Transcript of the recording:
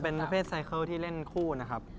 เป็นภาพที่เล่นคู่นะครับ